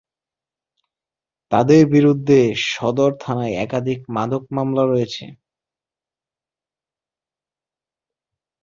তাঁদের বিরুদ্ধে সদর থানায় একাধিক মাদক মামলা রয়েছে।